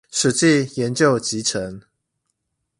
史記研究集成